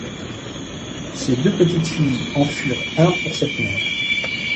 Ces deux petites filles en furent un pour cette mère.